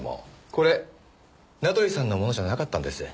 これ名取さんのものじゃなかったんです。